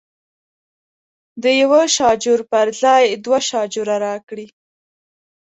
د یوه شاجور پر ځای دوه شاجوره راکړي.